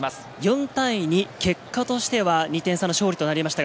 ４対２、結果としては２点差の勝利となりました。